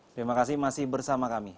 terima kasih masih bersama kami